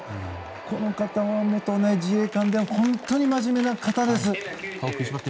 この方は元自衛官で本当に真面目な方です。